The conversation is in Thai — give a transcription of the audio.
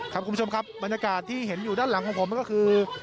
คุณผู้ชมครับบรรยากาศที่เห็นอยู่ด้านหลังของผมก็คือ